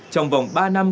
trong vòng ba năm